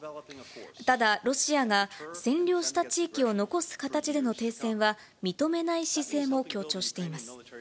ただ、ロシアが占領した地域を残す形での停戦は認めない姿勢も強調しています。